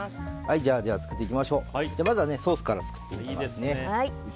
まずはソースから作っていきますね。